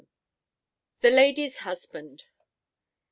THE LADY'S HUSBAND.